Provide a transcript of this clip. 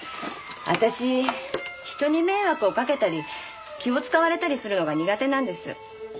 私人に迷惑をかけたり気を使われたりするのが苦手なんです。